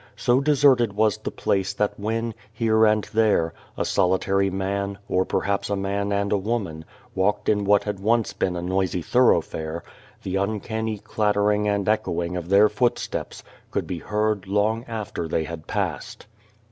So deserted was the place that when, here and there, a solitary man, or perhaps a man and a woman, walked in what had once been a noisy thoroughfare the uncanny clattering and echoing of their footsteps could be heard long after they had passed.